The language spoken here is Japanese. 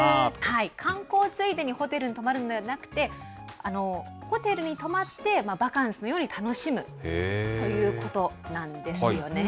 観光ついでにホテルに泊まるのではなくて、ホテルに泊まって、バカンスのように楽しむということなんですよね。